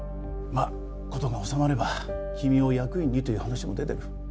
まっ事が収まれば君を役員にという話も出てる